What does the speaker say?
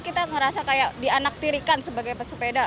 kita ngerasa kayak dianaktirikan sebagai pesepeda